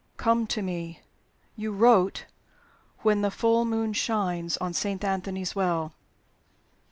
Come to me.' You wrote, 'When the full moon shines on Saint Anthony's Well.'"